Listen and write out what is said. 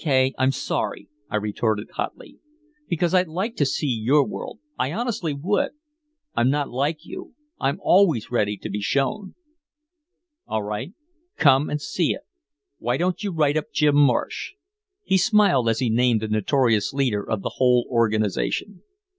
K., I'm sorry," I retorted hotly. "Because I'd like to see your world, I honestly would! I'm not like you, I'm always ready to be shown!" "All right, come and see it. Why don't you write up Jim Marsh?" He smiled as he named the notorious leader of the whole organization.